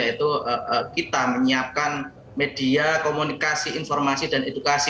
yang kedua kita harus menyiapkan media komunikasi informasi dan edukasi